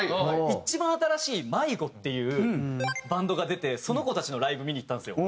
一番新しいＭｙＧＯ！！！！！っていうバンドが出てその子たちのライブ見に行ったんですよ。